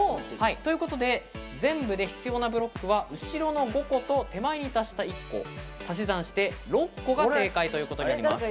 ということで、全部で必要なブロックは、後ろの５個と手前に足した１個、足し算して６個が正解ということになります。